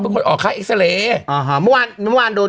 คนออกค่าเอ็กซาเรย์อ่าฮะเมื่อวานเมื่อวานโดน